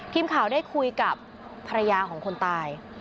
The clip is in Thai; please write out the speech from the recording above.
ทีมข่าวได้คุยกับภรรยาของคนตาย